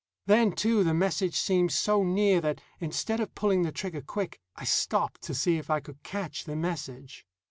Then, too, the message seemed so near that, instead of pulling the trigger quick, I stopped to see if I could catch the message.